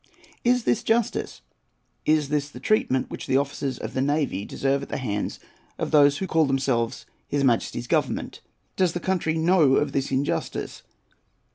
Is this justice? Is this the treatment which the officers of the navy deserve at the hands of those who call themselves his Majesty's Government? Does the country know of this injustice?